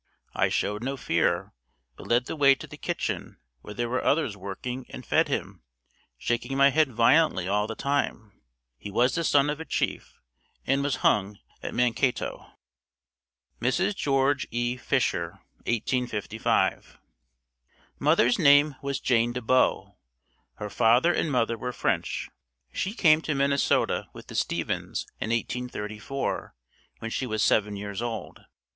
I showed no fear but led the way to the kitchen where there were others working and fed him, shaking my head violently all the time. He was the son of a chief and was hung at Mankato. Mrs. George E. Fisher 1855. Mother's name was Jane de Bow. Her father and mother were French. She came to Minnesota with the Stevens' in 1834 when she was seven years old.